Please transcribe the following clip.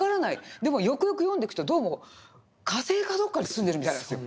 でもよくよく読んでくとどうも火星かどこかに住んでるみたいなんですよ。